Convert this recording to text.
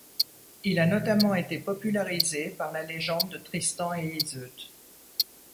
Il a notamment été popularisé par la légende de Tristan et Iseut.